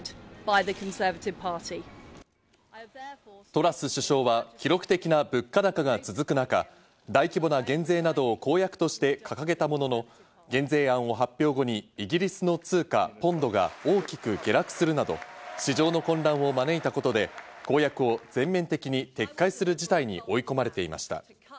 トラス首相は記録的な物価高が続く中、大規模な減税などを公約として掲げたものの、減税案を発表後にイギリスの通貨ポンドが大きく下落するなど、市場の混乱を招いたことで、公約を全面的に撤回する事態に追い込まれていました。